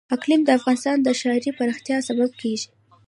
اقلیم د افغانستان د ښاري پراختیا سبب کېږي.